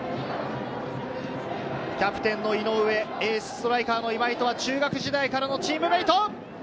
キャプテンの井上、エースストライカーの今井とは中学時代からのチームメイト。